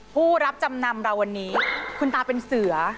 ผู้รับจำนำเราวันนี้คุณตาเป็นเสือ